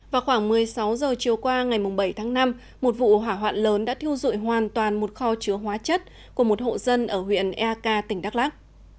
vào khoảng một mươi sáu giờ chiều qua ngày bảy tháng năm một vụ hỏa hoạn lớn đã thiêu dụi hoàn toàn một kho chứa hóa chất của một hộ dân ở huyện eak tỉnh đắk lắc